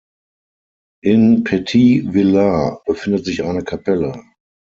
In Petit Villard befindet sich eine Kapelle.